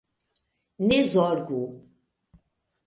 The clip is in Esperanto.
Ne zorgu